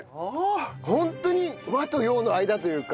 ホントに和と洋の間というか。